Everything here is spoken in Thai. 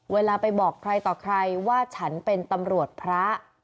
เวลาไปบอกใครต่อใครว่าฉันเป็นตำรวจพระ